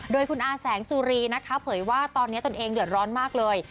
โดยคุณอาแสงสุรีนะคะเผยว่าตอนนี้ตนเองเดือดร้อนมากเลย